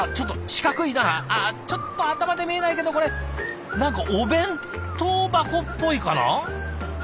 ああちょっと頭で見えないけどこれ何かお弁当箱っぽいかな？